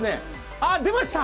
あっ、出ました！